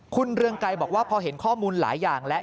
คุณเรืองไกรบอกว่าพอเห็นข้อมูลหลายอย่างแล้ว